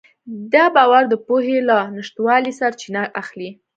دا باور د پوهې له نشتوالي سرچینه اخلي.